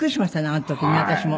あの時ね私も。